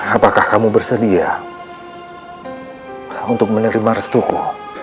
apakah kamu bersedia untuk menerima restuku